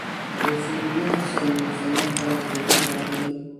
رسول الله ﷺ خلک توحید ته رابلل.